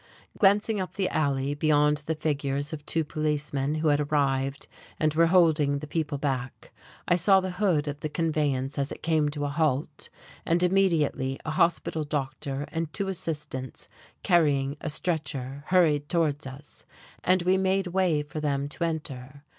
Glancing up the alley beyond the figures of two policemen who had arrived and were holding the people back, I saw the hood of the conveyance as it came to a halt, and immediately a hospital doctor and two assistants carrying a stretcher hurried towards us, and we made way for them to enter.